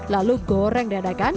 lalu goreng dan adakan